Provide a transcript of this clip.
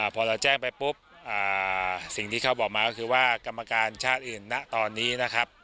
พอเราแจ้งไปปุ๊บสิ่งที่เขาบอกมาก็คือว่ากรรมการชาติอื่นณตอนนี้นะครับ